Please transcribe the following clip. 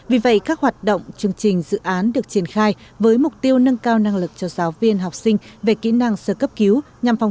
vì vậy các hoạt động chương trình dự án được triển khai với mục tiêu nâng cao năng lực cho giáo viên học sinh về kỹ năng sơ cấp cứu